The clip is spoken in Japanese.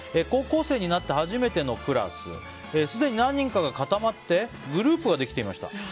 高校生になって初めてのクラスすでに何人かが固まってグループができていました。